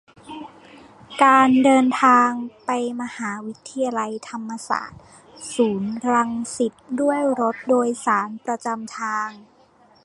การเดินทางไปมหาวิทยาลัยธรรมศาสตร์ ศูนย์รังสิต ด้วยรถโดยสารประจำทาง